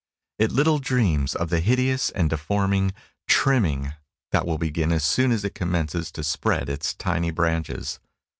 It little dreams of the hideous and deforming "trimming" that will begin as soon as it commences to spread its tiny branches!